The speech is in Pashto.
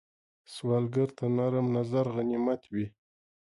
سوالګر ته نرم نظر غنیمت وي